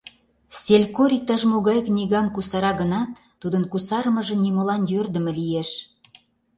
Селькор иктаж-могай книгам кусара гынат, тудын кусарымыже нимолан йӧрдымӧ лиеш.